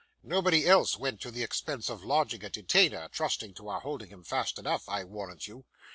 Nobody else went to the expense of lodging a detainer, trusting to our holding him fast enough, I warrant you.